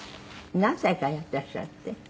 何歳からやっていらっしゃるって？